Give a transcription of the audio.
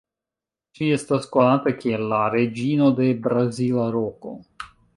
Ŝi estas konata kiel la "Reĝino de Brazila Roko".